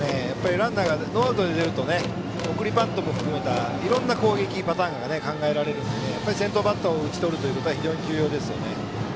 ランナーがノーアウトで出ると送りバントを含めたいろんな攻撃パターンが考えられるので先頭バッターを打ち取ることは非常に重要ですよね。